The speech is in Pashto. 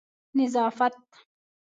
نظافت